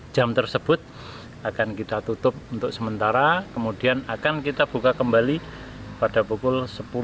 jam tersebut akan kita tutup untuk sementara kemudian akan kita buka kembali pada pukul sepuluh